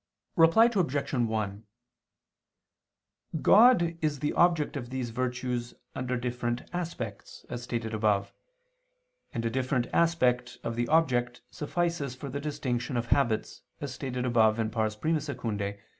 Reply Obj. 1: God is the object of these virtues under different aspects, as stated above: and a different aspect of the object suffices for the distinction of habits, as stated above (I II, Q.